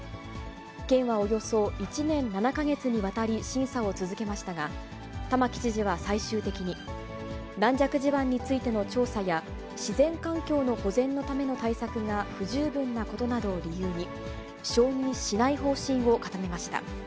県はおよそ１年７か月にわたり、審査を続けましたが、玉城知事は最終的に、軟弱地盤についての調査や、自然環境の保全のための対策が不十分なことなどを理由に、承認しない方針を固めました。